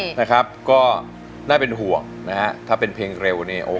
คุณยายแดงคะทำไมต้องซื้อลำโพงและเครื่องเสียง